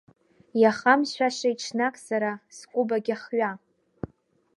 Иахамшәашеи ҽнак сара скәыбагь ахҩа!